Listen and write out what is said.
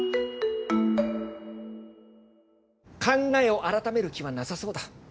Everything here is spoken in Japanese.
考えを改める気はなさそうだ。